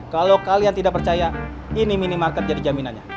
kalau kalian tidak percaya ini minimarket jadi jaminannya